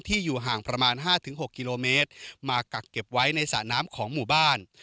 อยู่ห่างประมาณ๕๖กิโลเมตรมากักเก็บไว้ในสระน้ำของหมู่บ้าน